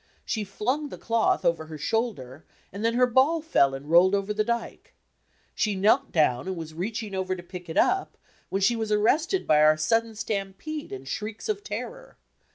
She flung the cloth over her shoulder and then her ball fell and rolled over the dyke. She knelt down and was reaching over to pick it up when she was arrested by our sudden stampede and shrieks of terror.